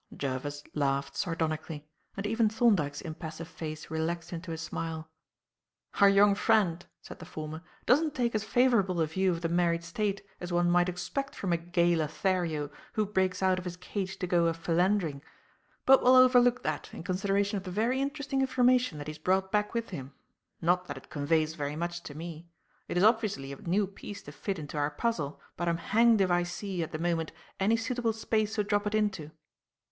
Jervis laughed sardonically; and even Thorndyke's impassive face relaxed into a smile. "Our young friend," said the former, "doesn't take as favourable a view of the married state as one might expect from a gay Lothario who breaks out of his cage to go a philandering. But we'll overlook that, in consideration of the very interesting information that he has brought back with him. Not that it conveys very much to me. It is obviously a new piece to fit into our puzzle, but I'm hanged if I see, at the moment, any suitable space to drop it into."